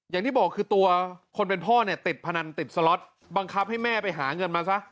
อย่างที่บอกคือตัวคนเป็นพ่อเนี่ยติดพนันติดสล็อตบังคับให้แม่ไปหาเงินมาซะ